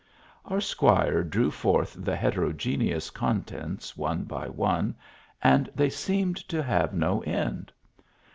Our Squire drew forth the heterogene ous contents one by one, and they seemed to have no end.